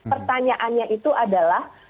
pertanyaannya itu adalah